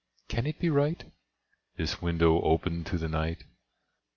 can it be right— This window open to the night?